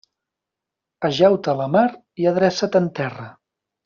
Ajeu-te a la mar i adreça't en terra.